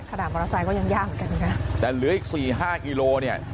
มอเตอร์ไซค์ก็ยังยากเหมือนกันนะคะแต่เหลืออีกสี่ห้ากิโลเนี่ย